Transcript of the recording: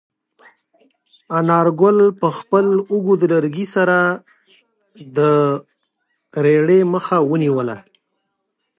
انارګل په خپل اوږد لرګي سره د رېړې مخه ونیوله.